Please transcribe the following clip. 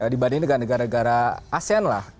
dibandingkan negara negara asean lah